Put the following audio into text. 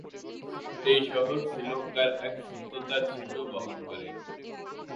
এই শহর শ্রীলঙ্কার এক সত্যতার চিহ্ন বহন করে।